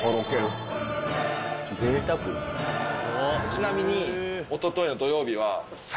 ちなみに。